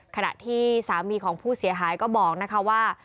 ขณะที่สามีของผู้เสียหายก็บอกนะคะว่า